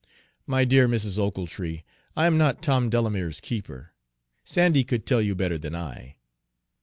"My dear Mrs. Ochiltree, I am not Tom Delamere's keeper. Sandy could tell you better than I."